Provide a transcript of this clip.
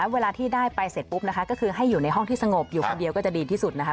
เวลาที่ได้ไปเสร็จปุ๊บนะคะก็คือให้อยู่ในห้องที่สงบอยู่คนเดียวก็จะดีที่สุดนะคะ